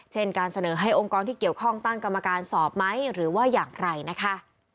เช่นการเสนอให้องค์กรที่เกี่ยวข้องตั้งกรรมการสอบไหมหรือว่าอย่างไรนะคะ